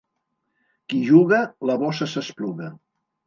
Qui juga, la bossa s'espluga.